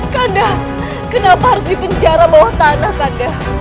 kanda kenapa harus dipenjara bawah tanah kanda